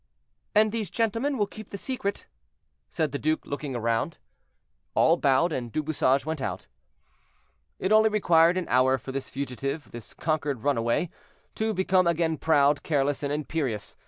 "And these gentlemen will keep the secret?" said the duke, looking round. All bowed, and Du Bouchage went out. It only required an hour for this fugitive, this conquered runaway, to become again proud, careless, and imperious.